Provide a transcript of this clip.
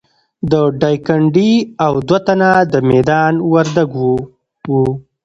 د ډایکنډي او دوه تنه د میدان وردګو وو.